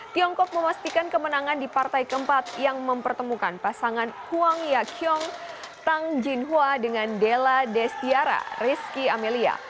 tiongkok memastikan kemenangan di partai keempat yang mempertemukan pasangan huang ya kyong tang jinhua dengan della destiara rizky amelia